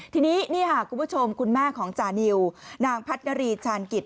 ทีนี้นี่ค่ะคุณผู้ชมคุณแม่ของจานิวนางพัฒนารีชาญกิจ